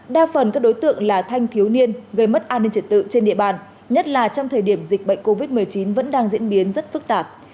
đa phần các đối tượng là thanh thiếu niên gây mất an ninh trật tự trên địa bàn nhất là trong thời điểm dịch bệnh covid một mươi chín vẫn đang diễn biến rất phức tạp